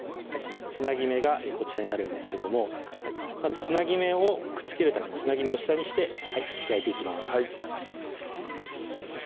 つなぎ目がこちらになるんですけどもまずつなぎ目をくっつけるためにつなぎ目を下にして焼いていきます